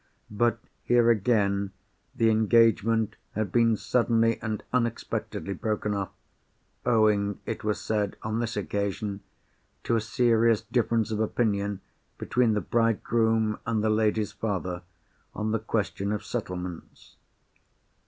But, here again, the engagement had been suddenly and unexpectedly broken off—owing, it was said, on this occasion, to a serious difference of opinion between the bridegroom and the lady's father, on the question of settlements.